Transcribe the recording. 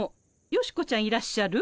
ヨシコちゃんいらっしゃる？